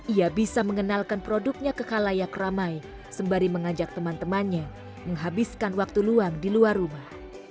ia bisa mengenalkan produknya ke kalayak ramai sembari mengajak teman temannya menghabiskan waktu luang di luar rumah